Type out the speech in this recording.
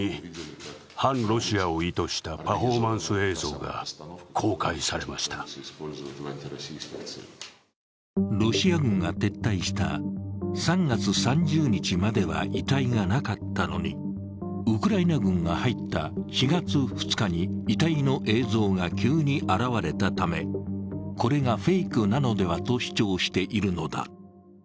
だが、ロシア側はロシア軍が撤退した３月３０日までは遺体がなかったのにウクライナ軍が入った４月２日に遺体の映像が急に現れたため、これがフェイクなのではと主張しているのだ。